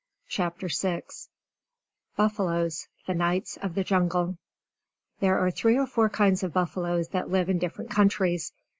CHAPTER VI Buffaloes: The Knights of the Jungle There are three or four kinds of buffaloes that live in different countries.